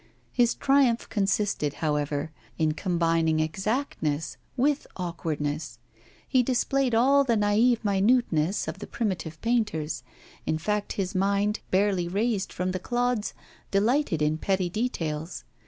His triumph consisted, however, in combining exactness with awkwardness; he displayed all the naive minuteness of the primitive painters; in fact, his mind, barely raised from the clods, delighted in petty details.